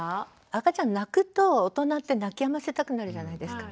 赤ちゃん泣くと大人って泣きやませたくなるじゃないですか。